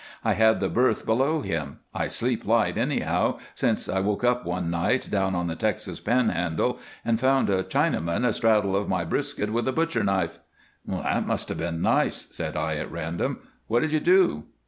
"I had the berth below him. I sleep light, anyhow, since I woke up one night down on the Texas Panhandle and found a Chinaman astraddle of my brisket with a butcherknife." "That must have been nice," said I at random. "What did you do?"